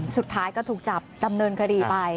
สุดท้ายก็ถูกจับดำเนินคดีไป